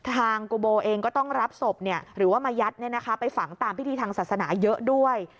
กูโบเองก็ต้องรับศพหรือว่ามายัดไปฝังตามพิธีทางศาสนาเยอะด้วย